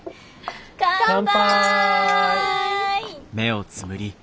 乾杯！